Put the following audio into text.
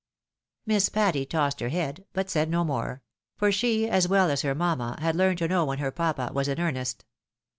Miss Patty tossed her head, but said no more ; for she, as well as her mjmma, had learned to know when her papa was in earnest.